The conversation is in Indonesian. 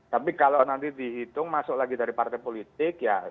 tapi kalau nanti dihitung masuk lagi dari partai politik ya